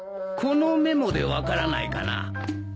このメモで分からないかな？